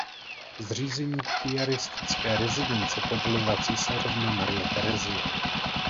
Zřízení piaristické residence povolila císařovna Marie Terezie.